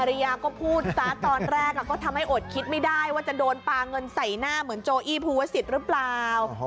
ริยาก็พูดซะตอนแรกก็ทำให้อดคิดไม่ได้ว่าจะโดนปลาเงินใส่หน้าเหมือนโจอี้ภูวศิษย์หรือเปล่า